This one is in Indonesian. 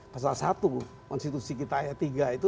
pasal satu konstitusi kita ayat tiga itu